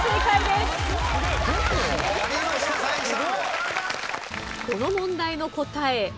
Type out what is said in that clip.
この問題の答え